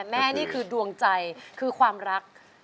เป้าหมายแรกก็คือใจคือความรัก